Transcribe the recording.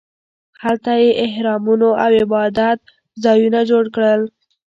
هلته یې اهرامونو او عبادت ځایونه جوړ کړل.